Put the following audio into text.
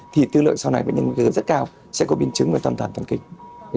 thì tư lượng sau này bệnh nhân bệnh nhân rất cao sẽ có biến chứng về tầm tầm tầm kịch